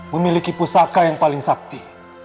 memiliki pusaka yang paling sakti